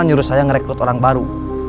nyuruh saya ngerekrut orang baru